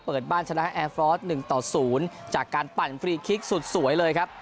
เปิดบ้านชนะแอร์ฟอร์ส๑ต่อ๐จากการปั่นฟรีคลิกสุดสวยเลยครับ